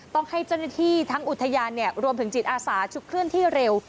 ต้องให้เจ้าหน้าที่ทั้งอุทยานรวมถึงจิตอาสาชุดเคลื่อนที่เร็ว